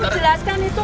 kamu jelaskan itu